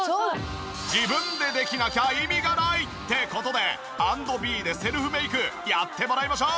自分でできなきゃ意味がない！って事で＆ｂｅでセルフメイクやってもらいましょう！